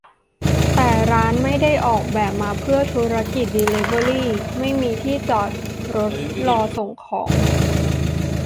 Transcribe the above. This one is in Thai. แต่ร้านไม่ได้ออกแบบมาเพื่อธุรกิจเดลิเวอรี ไม่มีที่จอดรถรอส่งของ